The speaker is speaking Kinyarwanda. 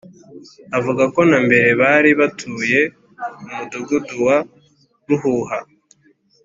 avuga ko na mbere bari batuye mu mudugudu wa Ruhuha